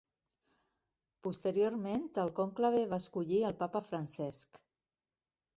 Posteriorment el conclave va escollir el Papa Francesc.